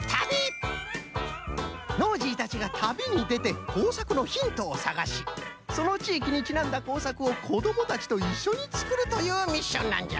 ノージーたちが旅にでて工作のヒントを探しその地域にちなんだ工作を子どもたちといっしょにつくるというミッションなんじゃ。